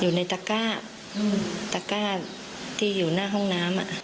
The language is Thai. อยู่ในตะก้าตะก้าที่อยู่หน้าห้องน้ำ